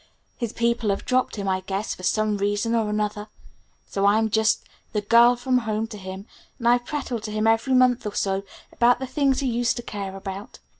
His people have dropped him, I guess, for some reason or other; so I'm just 'the girl from home' to him, and I prattle to him every month or so about the things he used to care about.